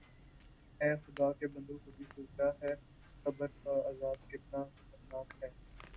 اے خدا کے بندوں کبھی سوچا ہے قبر کا عذاب کتنا خطرناک ہے